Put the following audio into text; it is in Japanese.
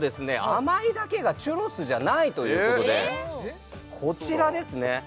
甘いだけがチュロスじゃないということでこちらですね